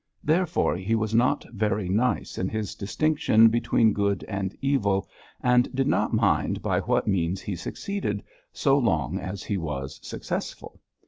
Therefore he was not very nice in his distinction between good and evil, and did not mind by what means he succeeded, so long as he was successful.